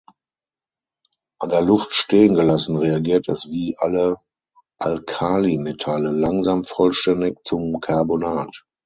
An der Luft stehengelassen reagiert es wie alle Alkalimetalle langsam vollständig zum Carbonat.